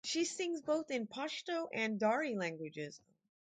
She sings both in Pashto and Dari languages.